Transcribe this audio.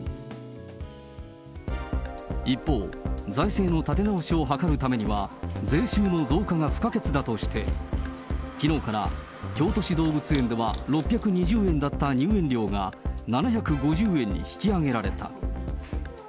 一方、財政の立て直しを図るためには、税収の増加が不可欠だとして、きのうから京都市動物園では６２０円だった入園料が、７５０円に引き上げられた。